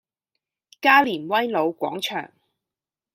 加連威老廣場